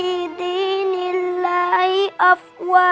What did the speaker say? yarob berikanlah hambamu ini petunjuk